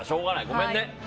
ごめんね。